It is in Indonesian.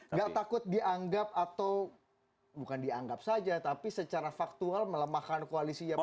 nggak takut dianggap atau bukan dianggap saja tapi secara faktual melemahkan koalisi ya pak